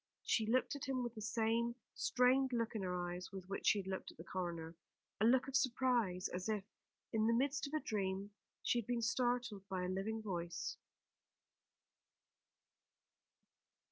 She looked at him with the same strained look in her eyes with which she had looked at the coroner; a look of surprise, as if, in the midst of a dream, she had been startled by a living voice.